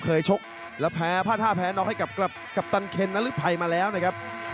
ชกแล้วแพ้ผ้าท่าแพ้น็อกให้กับกัปตันเคนนฤทัยมาแล้วนะครับ